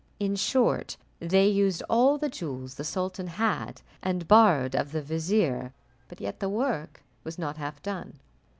In short, they used all the jewels the sultan had, and borrowed of the vizier, but yet the work was not half done.